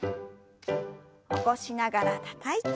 起こしながらたたいて。